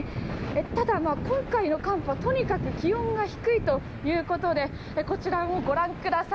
ただ今回の寒波、とにかく気温が低いということで、こちらをご覧ください。